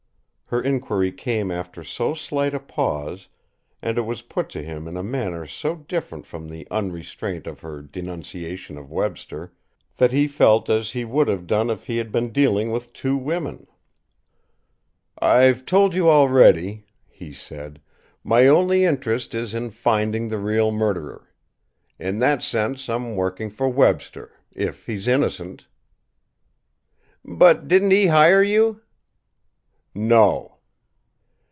Her inquiry came after so slight a pause, and it was put to him in a manner so different from the unrestraint of her denunciation of Webster, that he felt as he would have done if he had been dealing with two women. "I've told you already," he said, "my only interest is in finding the real murderer. In that sense, I'm working for Webster if he's innocent." "But he didn't hire you?" "No."